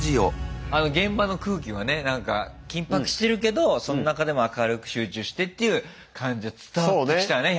現場の空気はねなんか緊迫してるけどその中でも明るく集中してっていう感じは伝わってきたね